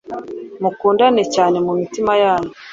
mukundane cyane mu mitima yanyu